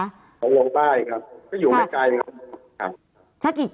ของวงใต้ครับก็อยู่ไม่ไกลครับ